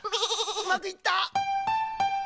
うまくいった！